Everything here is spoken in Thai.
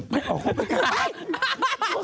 ไปปั้ง